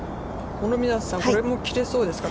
諸見里さん、これも切れそうですか。